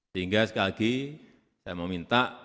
sehingga sekali lagi saya meminta